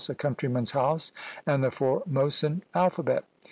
a countryman's house! and the Formosan alphabet!